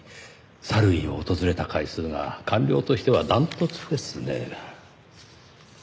サルウィンを訪れた回数が官僚としては断トツですねぇ。